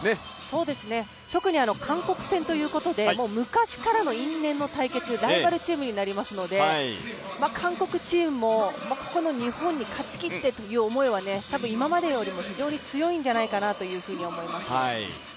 そうですね、特に韓国戦ということで、昔からの因縁の対決、ライバルチームになりますので、韓国チームもここの日本に勝ちきってという思いは多分今までより強いんじゃないかなと思います。